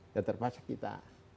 dan terpaksa kita